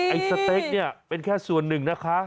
สเต็กเนี่ยเป็นแค่ส่วนหนึ่งนะคะ